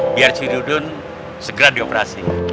biar si dudun segera dioperasi